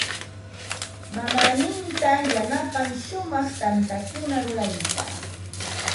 Mamaaninta yanapan shumaq tantakuna rurayta.